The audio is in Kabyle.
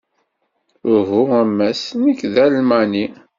Uhu a Mass, nekk d Almani.